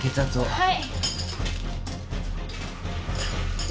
はい。